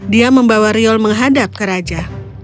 dia membawa riol menghadap ke raja